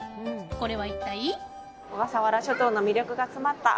これは一体？